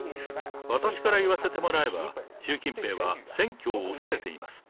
私から言わせてもらえば、習近平は選挙を恐れています。